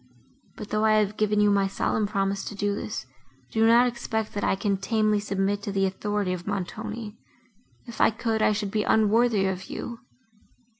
But, though I have given you my solemn promise to do this, do not expect, that I can tamely submit to the authority of Montoni; if I could, I should be unworthy of you.